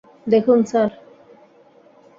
দেখুন, স্যার।